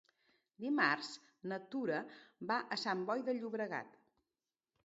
Dimarts na Tura va a Sant Boi de Llobregat.